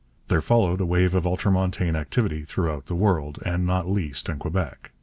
There followed a wave of ultramontane activity throughout the world, and not least in Quebec.